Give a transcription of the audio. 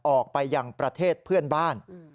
ออกไปยังประเทศเพื่อนบ้าน